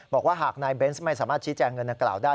บอกว่าหากนายเบนซ์ไม่สามารถชี้แจงเงินในกระเป๋าได้